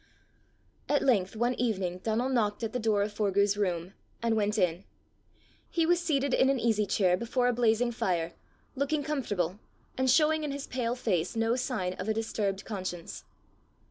At length one evening Donal knocked at the door of Forgue's room, and went in. He was seated in an easy chair before a blazing fire, looking comfortable, and showing in his pale face no sign of a disturbed conscience.